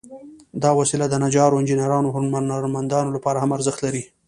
دا وسيله د نجارو، انجینرانو، او هنرمندانو لپاره هم ارزښت لري.